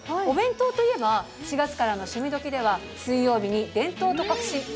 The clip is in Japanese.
お弁当といえば４月からの「趣味どきっ！」では水曜日に「伝統と革新！